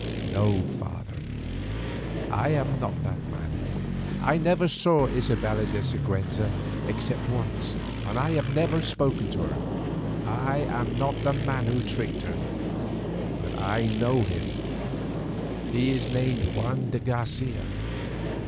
"No, father, I am not that man. I never saw Isabella de Siguenza except once, and I have never spoken to her. I am not the man who tricked her but I know him; he is named Juan de Garcia."